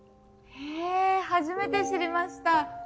へえ初めて知りました。